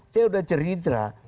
saya sudah ceritra